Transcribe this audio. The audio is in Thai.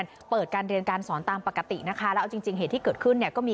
แต่ว่าเราจริงแล้วมันเป็นเรื่องของ